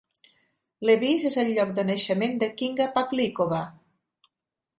Levice és el lloc de naixement de Kinga Pavlikova.